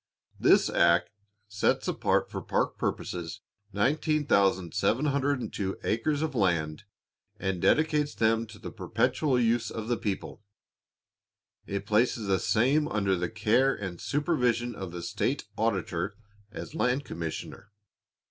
This act sets apart for park purposes 19,702 acres of land, and dedicates them to the perpetual use of the people. It places the same under the care and supervision of the state auditor, as land commissioner.